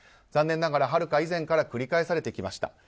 残念ながらはるか以前から繰り返されてきました。